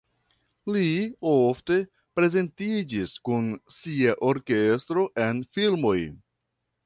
Li ofte prezentiĝis kun sia orkestro en filmoj.